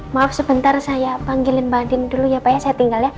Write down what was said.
maaf sebentar saya panggilin mbak dim dulu ya pak ya saya tinggal ya